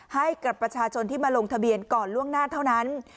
ให้กับประชาชนที่มาลงทะเบียนก่อนล่วงหน้าเท่านั้น